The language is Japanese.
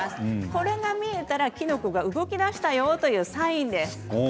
これが見えたらキノコが動きだしたよというサインです。